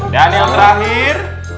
dan yang terakhir